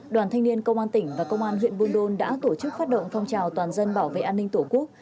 đoàn thanh niên công an tỉnh và công an huyện buôn đôn đã tổ chức phát động phong trào toàn dân bảo vệ an ninh tổ quốc